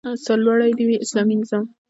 سرلوړی دې وي اسلامي نظام؟